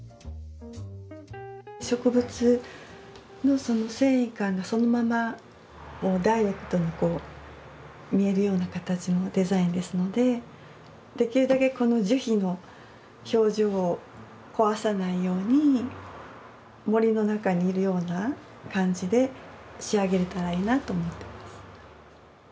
植物の繊維感がそのままダイレクトに見えるような形のデザインですのでできるだけこの樹皮の表情を壊さないように森の中にいるような感じで仕上げれたらいいなと思ってます。